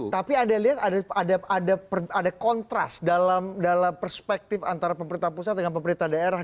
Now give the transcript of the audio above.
tapi anda lihat ada kontras dalam perspektif antara pemerintah pusat dengan pemerintah daerah